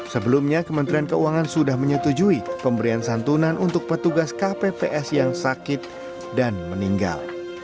sebelumnya kementerian keuangan sudah menyetujui pemberian santunan untuk petugas kpps yang sakit dan meninggal